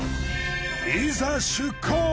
いざ出航！